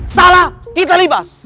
salah kita libas